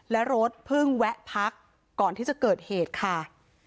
และรถเพิ่งแวะพักก่อนที่จะเกิดเหตุค่ะ